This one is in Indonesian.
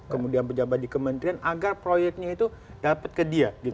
kemudian pejabat di kementerian agar proyeknya itu dapat ke dia